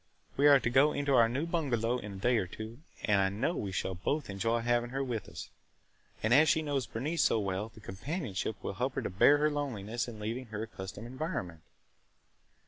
We are to go into our new bungalow in a day or two and I know we shall both enjoy having her with us. And as she knows Bernice so well, the companionship will help her to bear her loneliness in leaving her accustomed environment."